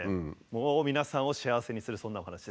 もう皆さんを幸せにするそんなお話です。